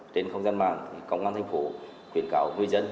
trên không gian mạng công an thành phố khuyến cáo người dân